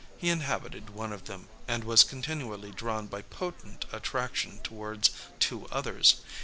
He inhabited one of them, and was continually drawn by potent attraction towards two others.